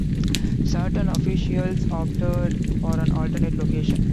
Saturn officials opted for an alternate location.